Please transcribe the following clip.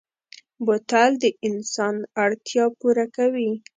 بوتل د انسان اړتیا پوره کوي.